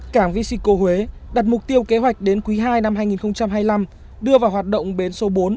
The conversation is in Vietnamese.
cảng vesico huế đặt mục tiêu kế hoạch đến quý ii năm hai nghìn hai mươi năm đưa vào hoạt động bến số bốn